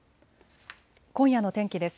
今夜の天気です。